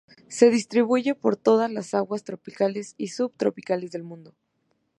Se distribuye por todas las aguas tropicales y subtropicales del mundo.